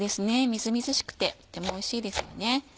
みずみずしくてとてもおいしいですよね。